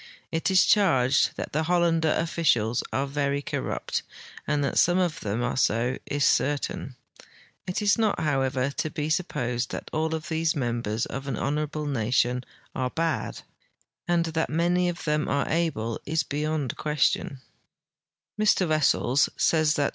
It is cliarged that the Hollander officials are very corrupt, and that some of them are so is certain. It is not, however, to be su[) posed that all of these members of an honorable nation are bad,t and that many of them are able is be3"ond question.